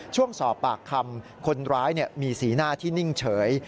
ช่วงสอบปากคำคนร้ายมีสีหน้าที่นิ่งเฉย